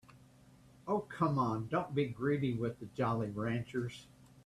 Oh, come on, don't be greedy with the Jolly Ranchers.